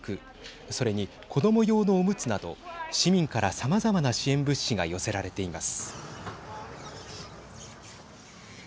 それに子ども用のおむつなど市民からさまざまな支援物資が寄せられています。